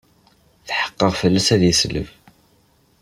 Tḥeqqeɣ fell-as ad yesleb.